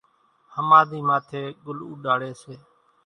ۿماۮِي ماٿيَ ڳُل اُوڏاڙي سي